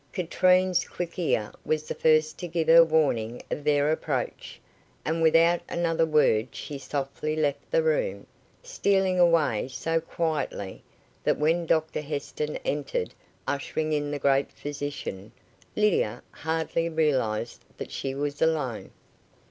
Katrine's quick ear was the first to give her warning of their approach, and without another word she softly left the room, stealing away so quietly that when Dr Heston entered, ushering in the great physician, Lydia hardly realised that she was alone.